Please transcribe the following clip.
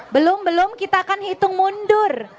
belum belum kita akan hitung mundur